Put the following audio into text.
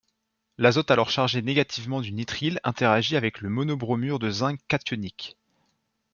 L'azote alors chargé négativement du nitrile interagit avec le monobromure de zinc cationique.